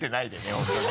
本当に。